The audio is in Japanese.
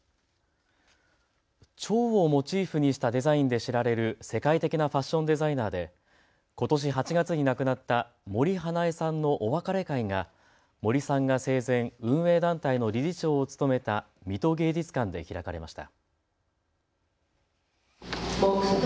ちょうをモチーフにしたデザインで知られる世界的なファッションデザイナーでことし８月に亡くなった森英恵さんのお別れ会が森さんが生前、運営団体の理事長を務めた水戸芸術館で開かれました。